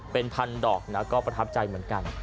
เป็นพัฒนดอกประถับใจเหมือนกัน